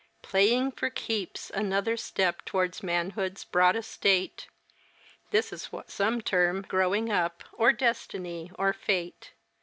Playing for keeps! Another step toward manhood's broad estate! This is what some term growing up, or destiny, or fate.